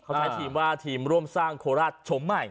เขาใช้ทีมว่าทีมร่วมสร้างโคราชชมใหม่